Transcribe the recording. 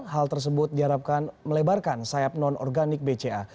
hal tersebut diharapkan melebarkan sayap non organik bca